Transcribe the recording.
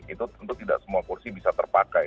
itu tentu tidak semua kursi bisa terpakai